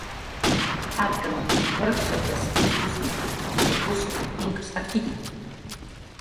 Apkanh warkshatkas us uski, ishaw qus inkps akkitxi